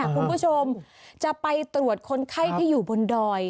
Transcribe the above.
คุณผู้ชมจะไปตรวจคนไข้ที่อยู่บนดอย